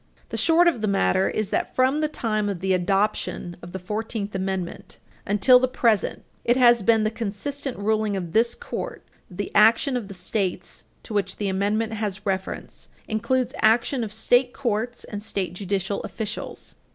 The short of the matter is that, from the time of the adoption of the Fourteenth Amendment until the present, it has been the consistent ruling of this Court that the action of the States to which the Amendment has reference includes action of state courts and state judicial officials.